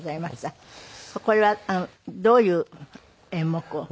これはどういう演目を。